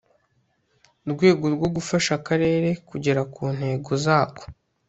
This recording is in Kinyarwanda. rwego rwo gufasha Akarere kugera ku ntego zako